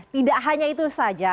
tidak hanya itu saja